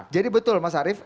jadi betul mas arief